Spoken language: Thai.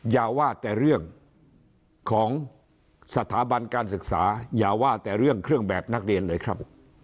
อย่าว่าแต่เรื่องของสถาบันการศึกษาอย่าว่าแต่เรื่องเครื่องแบบนักเรียนเลยครับ